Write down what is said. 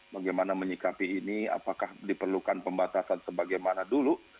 bagaimana menyikapi ini apakah diperlukan pembatasan sebagaimana dulu